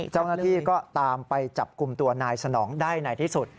เจ้าหน้าที่ก็ตามไปจับกลุ่มตัวนายสนองได้ในที่สุด